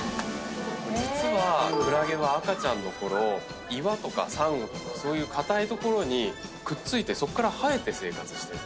実はクラゲは赤ちゃんのころ岩とかサンゴとかそういう硬い所にくっついてそっから生えて生活してる。